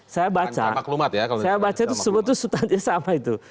saya baca saya baca itu sebutnya sama itu